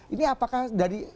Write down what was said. ini apakah dari